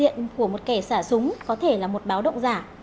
hiện của một kẻ xả súng có thể là một báo động giả